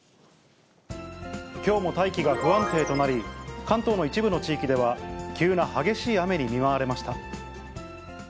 きょうも大気が不安定となり、関東の一部の地域では、急な激しい雨に見舞われました。